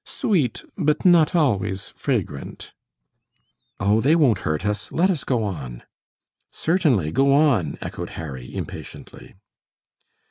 "Sweet, but not always fragrant." "Oh, they won't hurt us. Let us go on." "Certainly, go on," echoed Harry, impatiently.